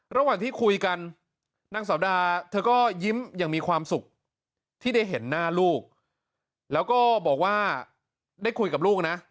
ระหว่างที่คุยกันนางสาวดาเธอก็ยิ้มอย่างมีความสุขที่ได้เห็นหน้าลูกแล้วก็บอกว่าได้คุยกับลูกนะ